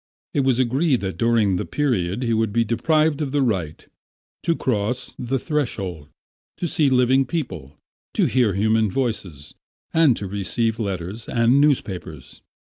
It was agreed that during the period he would be deprived of the right to cross the threshold, to see living people, to hear human voices, and to receive letters and newspapers.